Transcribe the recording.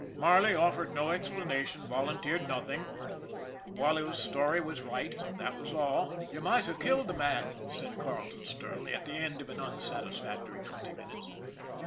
Marley offered no explanation, volunteered nothing. Boileau's story was right that was all. " You might have killed the man," said Carleton sternly, at the end of an unsatisfactory twenty minutes.